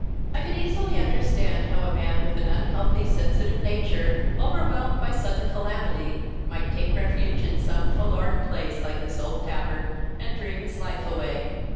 I could easily understand how a man with an unhealthy, sensitive nature, overwhelmed by sudden calamity, might take refuge in some forlorn place like this old tavern, and dream his life away.